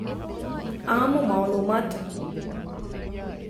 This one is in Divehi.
އާންމު މަޢުލޫމާތު